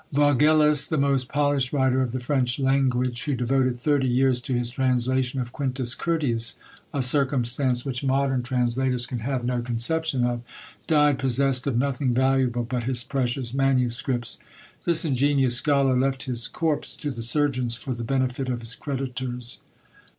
Vaugelas, the most polished writer of the French language, who devoted thirty years to his translation of Quintus Curtius, (a circumstance which modern translators can have no conception of), died possessed of nothing valuable but his precious manuscripts. This ingenious scholar left his corpse to the surgeons, for the benefit of his creditors!